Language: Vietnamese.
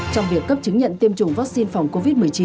trong việc cấp chứng nhận tiêm chủng vaccine phòng covid một mươi chín